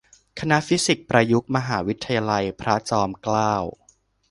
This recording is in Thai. คณะฟิสิกส์ประยุกต์ มหาวิทยาลัยพระจอมเกล้า